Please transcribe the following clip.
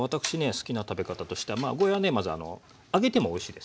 好きな食べ方としてはゴーヤーはねまず揚げてもおいしいですよね。